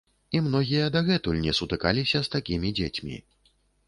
І многія дагэтуль не сутыкаліся з такімі дзецьмі.